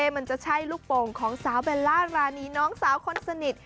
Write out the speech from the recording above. มันจะใช่ลูกโป่งของสาวเบลล่ารานีน้องสาวคนสนิท